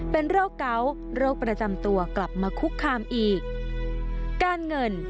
เป็นโรคเกาะโรคประจำตัวกลับมาคุกคามอีกการเงิน